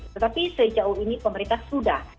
tetapi sejauh ini pemerintah sudah